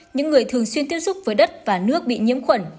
những người thường xuyên tiếp xúc với đất và nước bị nhiễm khuẩn